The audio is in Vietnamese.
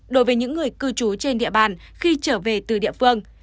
đối với những người cư trú trên địa bàn khi trở về từ địa phương